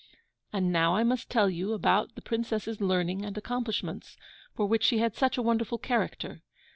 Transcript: And now I must tell you about the Princess's learning and accomplishments, for which she had such a wonderful character.